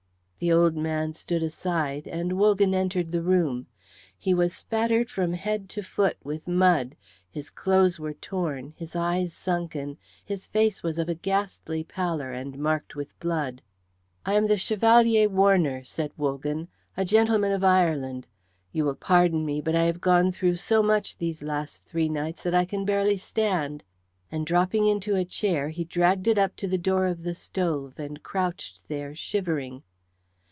The old man stood aside, and Wogan entered the room. He was spattered from head to foot with mud, his clothes were torn, his eyes sunken, his face was of a ghastly pallor and marked with blood. "I am the Chevalier Warner," said Wogan, "a gentleman of Ireland. You will pardon me. But I have gone through so much these last three nights that I can barely stand;" and dropping into a chair he dragged it up to the door of the stove, and crouched there shivering.